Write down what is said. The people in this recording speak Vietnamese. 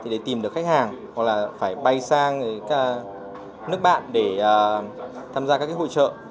để tìm được khách hàng hoặc là phải bay sang nước bạn để tham gia các hội trợ